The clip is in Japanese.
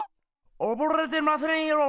おぼれてませんよ。